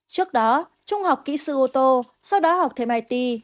trước đó trung học kỹ sư ô tô sau đó học thêm it